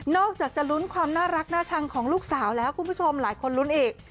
อกจากจะลุ้นความน่ารักน่าชังของลูกสาวแล้วคุณผู้ชมหลายคนลุ้นอีก